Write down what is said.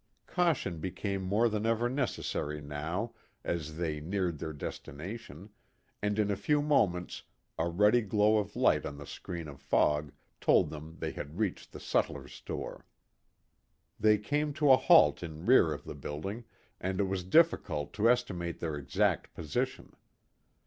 Caution became more than ever necessary now as they neared their destination, and in a few moments a ruddy glow of light on the screen of fog told them they had reached the sutler's store. They came to a halt in rear of the building, and it was difficult to estimate their exact position.